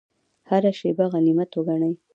هره شیبه غنیمت وګڼئ